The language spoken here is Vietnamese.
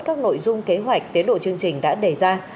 các nội dung kế hoạch tiến độ chương trình đã đề ra